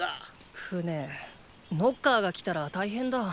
船ノッカーが来たら大変だ。